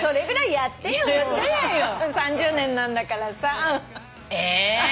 ３０年なんだからさ。え！？